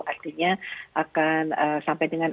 artinya akan sampai dengan